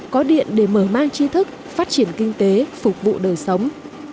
có điện để mở mang chi thức phát triển kinh tế phục vụ đời sống